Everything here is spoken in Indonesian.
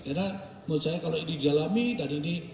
karena menurut saya kalau ini didalami dan ini